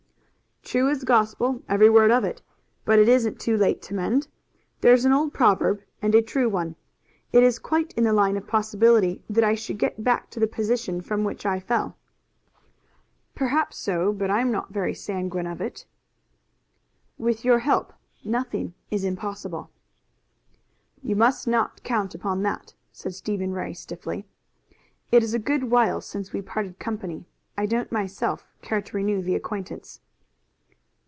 "True as gospel, every word of it. But it isn't too late to mend. That's an old proverb and a true one. It is quite in the line of possibility that I should get back to the position from which I fell." "Perhaps so, but I'm not very sanguine of it." "With your help nothing is impossible." "You must not count upon that," said Stephen Ray stiffly. "It is a good while since we parted company. I don't myself care to renew the acquaintance."